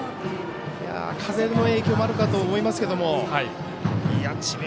風の影響もあるかと思いますけど智弁